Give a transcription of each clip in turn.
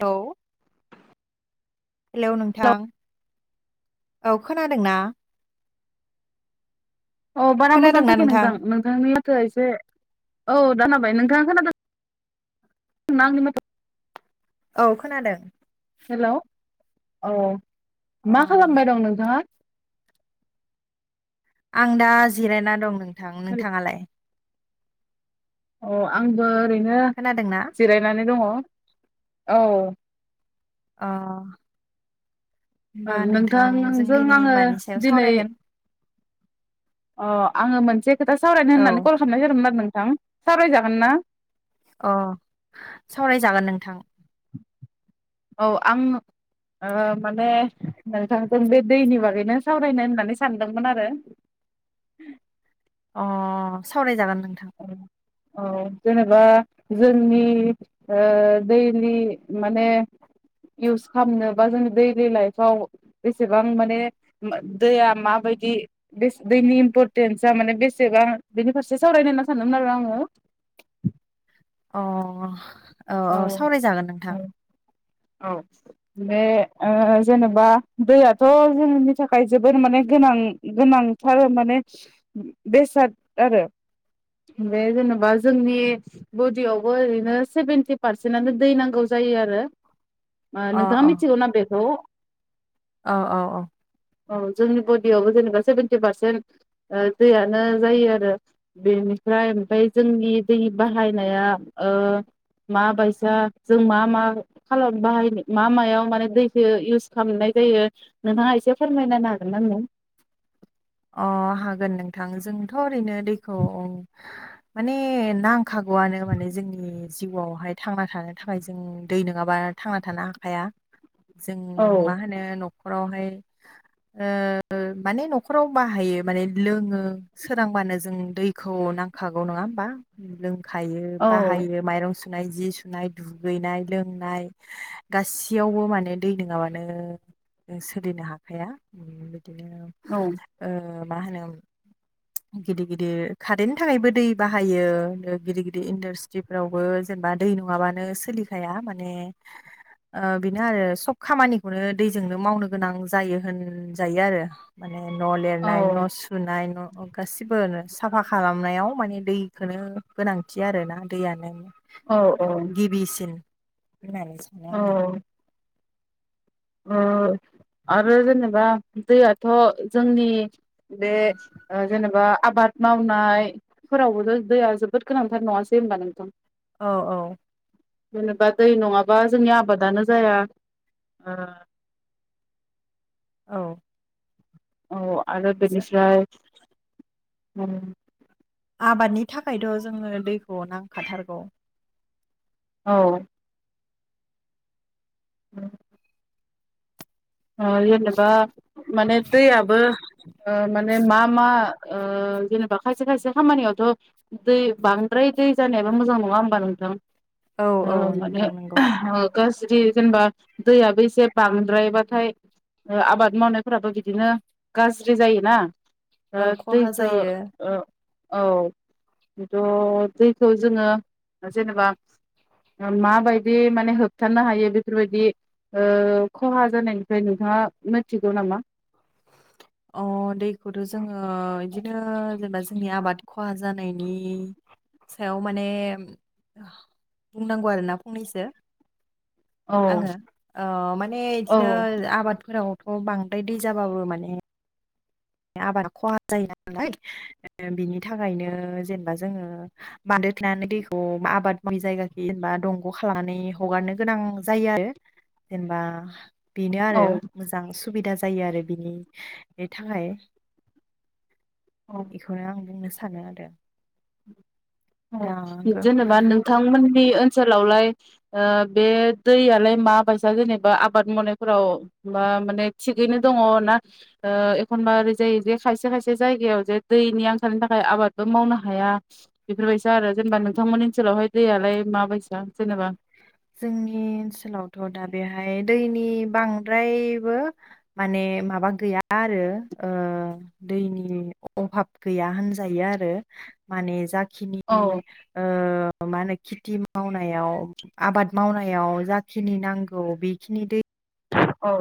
हेल hello नोंथां औ खोनादोंना? औ बारा मोजां खोनायाखै नोंथां नोंथांनि माथो एसे औ दानाबाय नोंथाङा खोनादो ना आंनि माथो औ खोनादों। हेल' अ। अ मा खालामबाय दं नोंथांआ? आं दा जिरायना दं नों थां नोंथाङालाय? अ आंबो ओरैनो खोनादोंना जिरायनानै दङ। औ। अ। होनबा नोंथांजों दिनै आङो मानि सायाव दिनै सावरायगोन? अ आङो मोनसे खोथा सावरायनाय होननानै औ कल खालामनाय जादोंमोन आरो नों थां सावराय जागोन ना? अ सावरायजागोन नोंथां। औ आं ओ माने नोंथांखौ बे दैनि बागैनो सावरायनो होननानै सानदोंमोन आरो। अ सावरायजागोन नों नोंथां। औ जेनेबा जोंनि दैलि माने इउस खालामनो बा अ अ जेनेबा जोंनि ओ दैलि माने इउस खामनोबा जोङो दैलि लाइफआव बेसेबां माने दैया माबायदि बेस दैनि इम्परटेन्सा माने बेसेबां बेनि फारसे सावरायनोहोनना सानदोंमोन आरो आङो। अ। औ औ सावरायजागोन नोंथां। औ बे ओ जेनेबा दैयाथ' जोंनि थाखाय जोबोद माने गोनां गोनांथार माने बेसाद आरो। बे जेनेबा जोंनि बडियावबो ओरैनो सेभेन्टि पारसेन्टनो दै नांगौ जायो आरो। मा अ नोंथाङा मिथिगौना बेखौ? अ औ औ। औ जोंनि बडियावबो जेनेबा सेभेेनटि पारसेन्ट ओ दैयानो जायो आरो। बेनिफ्राय ओमफ्राय जोंनि दै बाहायनाया ओ माबायसा जों मा मा खालाम बाहायनो मा मायाव माने दैखो इउस खालामनाय जायो नोंथाङा एसे फोरमायनाहोनो हागोन ना नों? अ हागोन नोंथां जोंथ' ओरैनो दैखौ माने नां खागौआनो माने जोंनि जिउआवहाय थांना थानो थाखाय जों दै नोङाबा थांना थानो हाखाया। जों मा होनो न'ख खरावहाय ओ माने न' खराव बाहायो माने लोङो सोरांबानो जों दैखौ नांखागौ नङा होमबा लों खायो औ बाहायो माइरं सु सुनाय जि सुनाय दुगैनाय लोंनाय गासैयावबो माने दै नोङाबानो सोलिनो हाखाया। ओम बिदिनो औ ओ मा होनो गिदिर गिदिर खारेननि थाखायबो दै बाहायो गिदिर गिदिर इन्डासट्रिफोरावबो जेनेबा दै नङाबानो सोलिखाया माने ओ बेनो आरो सब खामानिखौनो दैजोंनो मावनो गोनां जायो होनजायो आरो। न' लिरनाय न' सुनाय न' गासिबोनो आरो साफा खालामनायाव माने दैखोनो गोनांथि आरोना दैयानो। औ माने गिबिसिन होननानै सानो आङो औ ओ आरो जेनेबा दैयाथ' जोंनि बे जेनेबा आबाद मावनायफोरावबोथ' दैया जोबोद गोनांथार नङासै होनबा नोंथां। औ औ जेनेबा दै नङाबा जोंनि आबादानो जाया। ओ औ औ आरो बेनिफ्राइ उम आबादनि थाखायथ जोंनो दैखौ नांखाथारगौ। औ उम। ओह जेनेबा माने दैयाबो माने मा मा? ओह जेनेबा खायसे खायसे खामानियावथ दै बांद्राय दै जानायाबो मोजां नङा होमबा नोंथां। औ औ ओह माने नोंथां नंगौ ओ गाज्रि जेनेबा दैयाबो एसे बांद्रायबा नाथाय आबाद मावनायफोराबो बिदिनो गाज्रि जायोना। ओ खहा दैखौ जायो ओ औ बेथ दैखौ जोङो जेनेबा माबायदि माने होबथानो हायो बेफोरबायदि ओह खहा जानाय फ्राय नोंथाङा मिथिगौ नामा? अ दैखौथ जोङो बिदिनो जेनेबा जोंनि आबाद खहा जानायनि सायाव माने बुंनांगौ आरोना फंनैसो। औ आङो ओह माने बिदिनो औ आबादफोराव थ बांद्राय दै जाबाबो माने आबादा खहा जायो नालाय बिनि थाखायनो जेनेबा जोङो बान्दो थेनानै दैखौ आबाद मावि जायगाखै जेनेबा दंग खालामनानै हगारनो गोनां जायो आरो जेनेबा बेनो आरो औ मोजां सु सुबिदा जायो आरो बिनि थाखाय। बेखौनो आं बुंनो सान सानो आरो। दा जेनेबा नोंथांमोन नि ओनसोलावलाय ओ बे दैयालाय मा बायसा जेनेबा आबाद मावनायफोराव मा-माने थिगैनो दङ ना ओ एखनबा ओरै जायो जे खायसे खायसे जायगायाव जे दैनि आंखालनि थाखाय आबादबो मावनो हाया। बेफोर बायसा आरो जेनेबा नोंथांमोननि ओनसोलावहाय दैयालाय माबायसा? जेनेबा जोंनि ओनसोलावथ दा बेहाय दैनि नि बांद्रायबो माने माबा गैया आरो ओ दैनि अबाब गैया होनजायो आरो माने जाग खिनिनि औ ओह मा होनो खेथि मावनायाव आबाद मावनायाव जाखिनि नांगौ बेखिनि दै औ।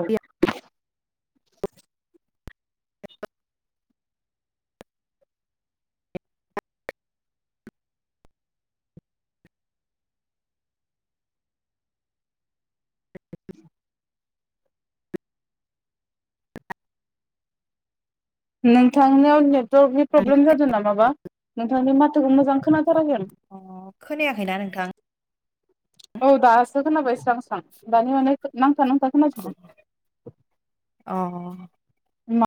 नोंथांनियाव नेट नेटवर्कनि प्रब्लेम जादों नामाबा नों मानो माथोखौ मोजां खोनाद अ खोनायाखैना नोंथां? औ द आसखौनाबाय। स स दानि मान नां नांथा नांथा खोनाजोबो अ [inaudible]